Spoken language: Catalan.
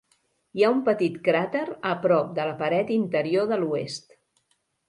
Hi ha un petit cràter a prop de la paret interior de l'oest.